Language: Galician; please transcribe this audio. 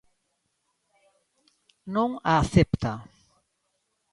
Non a acepta.